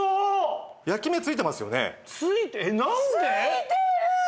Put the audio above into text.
ついてる。